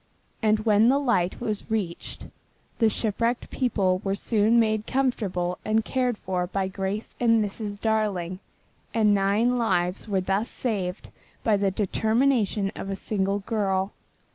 And when the light was reached, the shipwrecked people were soon made comfortable and cared for by Grace and Mrs. Darling, and nine lives were thus saved by the determination of a single girl.